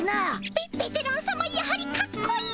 ベベテランさまやはりかっこいい。